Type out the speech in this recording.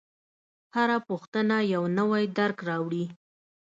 هره پوښتنه یو نوی درک راوړي.